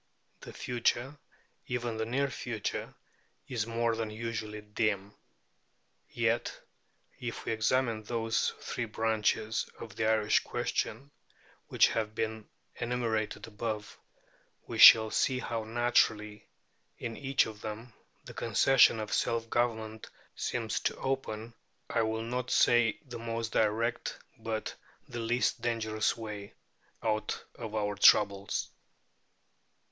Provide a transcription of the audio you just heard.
The future, even the near future, is more than usually dim. Yet, if we examine those three branches of the Irish question which have been enumerated above, we shall see how naturally, in each of them, the concession of self government seems to open, I will not say the most direct, but the least dangerous way, out of our troubles.